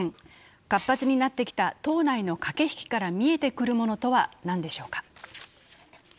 活発になってきた党内の駆け引きから見えてくるものとは何でしょうか。